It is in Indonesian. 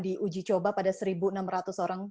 di uji coba pada satu enam ratus orang